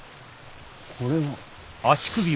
これは。